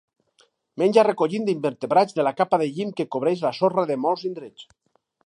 Menja recollint invertebrats de la capa de llim que cobreix la sorra de molts indrets.